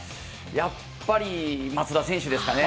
やっぱり松田選手ですかね。